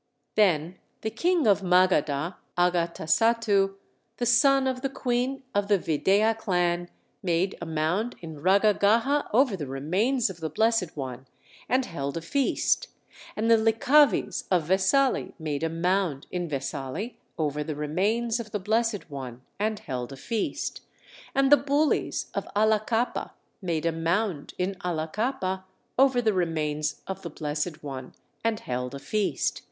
Then the king of Magadha, Agatasattu, the son of the queen of the Videha clan, made a mound in Ragagaha over the remains of the Blessed One, and held a feast. And the Likkhavis of Vesali made a mound in Vesali over the remains of the Blessed One, and held a feast. And the Bulis of Allakappa made a mound in Allakappa over the remains of the Blessed One, and held a feast.